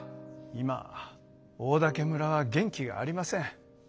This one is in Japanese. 今オオダケ村は元気がありません。